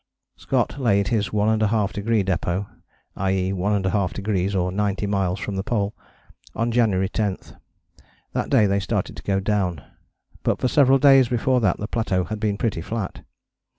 Scott laid his One and a Half Degree Depôt (i.e. 1½° or 90 miles from the Pole) on January 10. That day they started to go down, but for several days before that the plateau had been pretty flat.